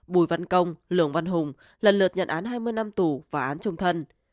bùi văn công lường văn hùng lần lượt nhận án hai mươi năm tù và án trung thân